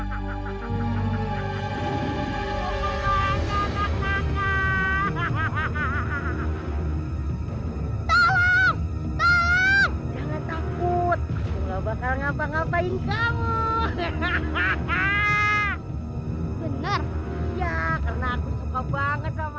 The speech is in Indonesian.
jangan takut aku nggak bakal ngapa ngapain kamu hahaha bener ya karena aku suka banget sama